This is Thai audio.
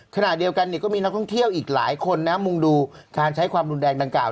ขณะเดียวกันก็มีนักท่องเที่ยวอีกหลายคนนะมุ่งดูการใช้ความรุนแรงดังกล่า